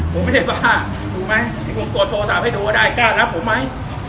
ผมไม่ได้บ้าถูกไหมที่ผมตรวจโทรศัพท์ให้ดูว่าได้กล้ารับผมไหม